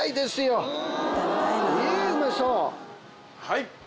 はい。